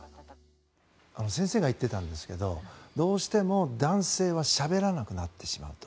先生が言っていたんですけどどうしても男性はしゃべらなくなってしまうと。